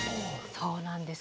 そうなんです。